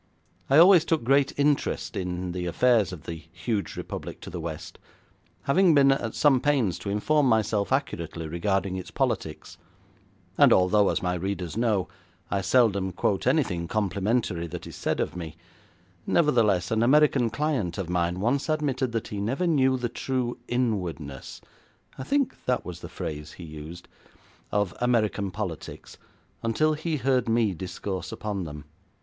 I always took great interest in the affairs of the huge republic to the west, having been at some pains to inform myself accurately regarding its politics, and although, as my readers know, I seldom quote anything complimentary that is said of me, nevertheless, an American client of mine once admitted that he never knew the true inwardness I think that was the phrase he used of American politics until he heard me discourse upon them.